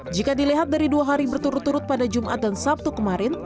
jika dilihat dari dua hari berturut turut pada jumat dan sabtu kemarin